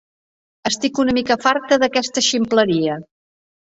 Estic una mica farta d'aquesta ximpleria.